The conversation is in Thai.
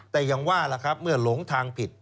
แต่อย่างว่าล่ะครับเมื่อหลงทางผิด